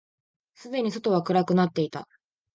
すでに外は暗くなっていた。